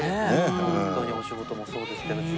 ホントにお仕事もそうですけど。